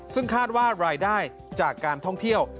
ซึ่งคาดว่ารายได้จากการท่องเที่ยว